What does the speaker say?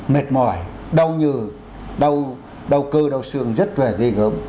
mệt mỏi đau nhừ đau cơ đau xương rất khỏe thì có